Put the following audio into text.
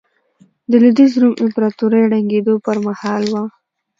د لوېدیځ روم امپراتورۍ ړنګېدو پرمهال وه.